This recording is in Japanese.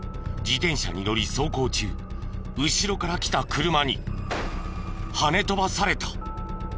自転車に乗り走行中後ろから来た車にはね飛ばされた。